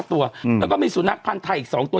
ตัวแล้วก็มีสุนัขพันธ์ไทยอีก๒ตัว